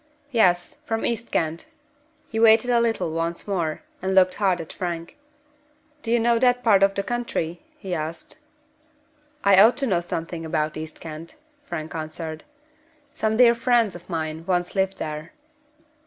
"Yes. From East Kent." He waited a little once more, and looked hard at Frank. "Do you know that part of the country?" he asked. "I ought to know something about East Kent," Frank answered. "Some dear friends of mine once lived there."